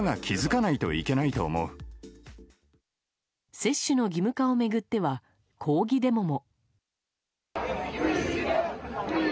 接種の義務化を巡っては抗議デモも。